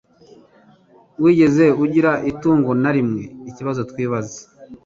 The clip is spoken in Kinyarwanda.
Wigeze ugira itungo narimweikibazo twibaza